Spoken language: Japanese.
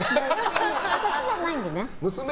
私じゃないんでね。